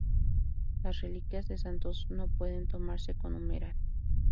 Las reliquias de santos no pueden tomarse con humeral.